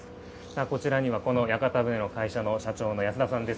こちらには、この屋形船の会社の社長の安田さんです。